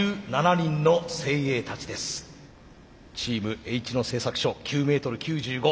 チームＨ野製作所９メートル９５。